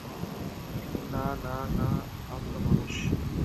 না, না, না, না, আমরা মানুষ।